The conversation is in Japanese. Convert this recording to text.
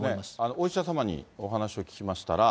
お医者様にお話を聞きましたら。